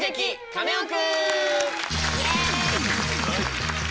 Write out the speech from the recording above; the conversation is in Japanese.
カネオくん」！